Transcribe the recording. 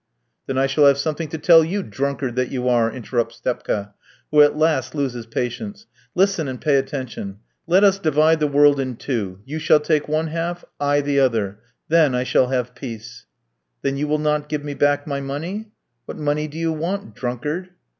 "Then I shall have something to tell you, drunkard that you are," interrupts Stepka, who at last loses patience. "Listen and pay attention. Let us divide the world in two. You shall take one half, I the other. Then I shall have peace." "Then you will not give me back my money?" "What money do you want, drunkard?"